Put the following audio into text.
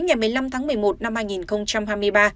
ngày một mươi năm tháng một mươi một năm hai nghìn hai mươi ba